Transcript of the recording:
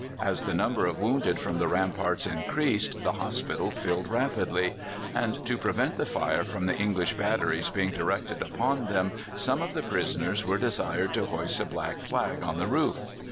As the number of wounded from the ramparts increased, the hospital filled rapidly, and to prevent the fire from the English batteries being directed upon them some of the prisoners were desired to hoist a black flag on the roof.